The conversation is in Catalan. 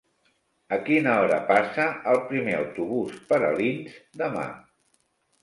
A quina hora passa el primer autobús per Alins demà?